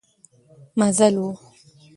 مزل و.